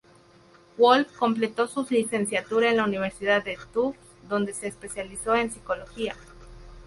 Wolf completó su licenciatura en la Universidad de Tufts, donde se especializó en psicología.